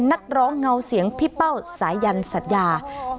นักร้องเงาเสียงพี่เป้าสายันสัญญา